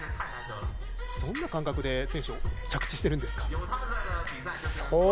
どんな感覚で選手は着地しているんですか。